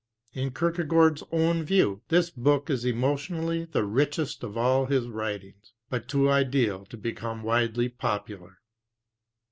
In Kierkegaard's own view, this book is emotionally the richest of all his writings, but too ideal to become widely popular.